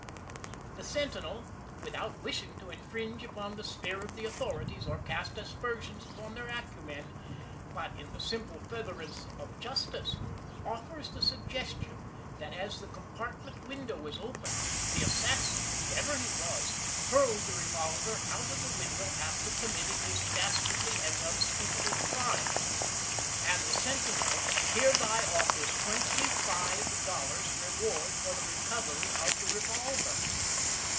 The Sentinel, without wishing to infringe upon the sphere of the authorities or cast aspersions upon their acumen, but in the simple furtherance of justice, offers the suggestion that, as the compartment window was open, the assassin, whoever he was, hurled the revolver out of the window after committing his dastardly and unspeakable crime; and the Sentinel hereby offers Twenty five Dollars Reward for the recovery of the revolver.